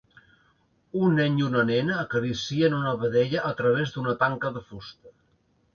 Un nen i una nena acaricien una vedella a través d'una tanca de fusta.